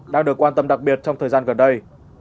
đang được quan tâm đặc biệt trong thời gian gần đây